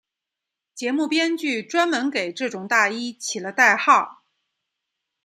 节目编剧专门给这种大衣起了代号。